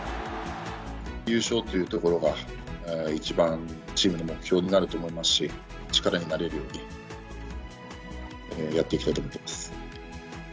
優勝というところが一番チームの目標になると思いますし、力になれるようにやっていきたいと思ってます。